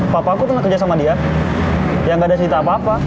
papah aku tenang kerja sama dia yang gak ada cerita apa apa